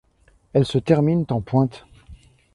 Elles se terminent en pointe.